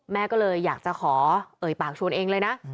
แม่ก็เลยอยากจะขอเอ่ยปากชวนเองเลยนะ